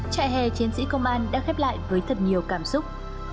trại hè chiến sĩ công an đã khép lại với thật nhiều cảm xúc